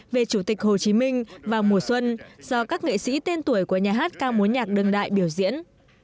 về chủ tịch hồ chí minh vào mùa xuân do các nghệ sĩ tên tuổi của nhà hát ca mối nhạc đường đại biểu diễn